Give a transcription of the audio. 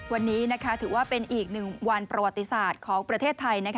วันนี้ถือว่าเป็นอีกหนึ่งวันประวัติศาสตร์ของประเทศไทย